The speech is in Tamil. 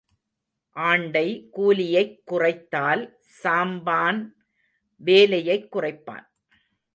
ஆண்டை கூலியைக் குறைத்தால் சாம்பான் வேலையைக் குறைப்பான்.